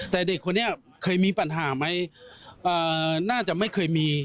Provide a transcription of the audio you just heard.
แต่เด็กคนนี้เคยมีปัญหาไหมน่าจะไม่เคยมี